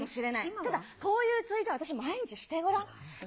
ただ、こういうツイート、私、毎日してごらん？